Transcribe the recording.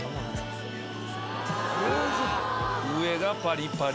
上がパリパリ。